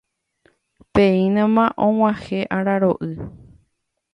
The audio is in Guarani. Péinama og̃uahẽ araro'y